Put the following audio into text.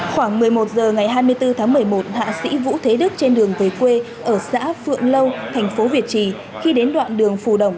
khoảng một mươi một h ngày hai mươi bốn tháng một mươi một hạ sĩ vũ thế đức trên đường về quê ở xã phượng lâu thành phố việt trì khi đến đoạn đường phù đồng